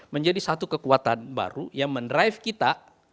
menjadi satu kekuatan baru yang mendrive kita